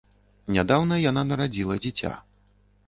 Нядаўна яна нарадзіла дзіця.